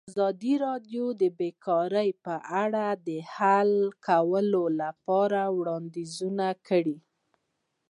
ازادي راډیو د بیکاري په اړه د حل کولو لپاره وړاندیزونه کړي.